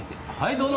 どうぞ。